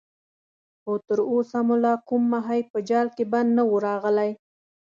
خو تر اوسه مو لا کوم ماهی په جال کې بند نه وو راغلی.